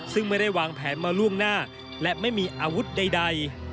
ซึ่งไม่ได้วางแผนมาล่วงหน้าและไม่มีอาวุธใด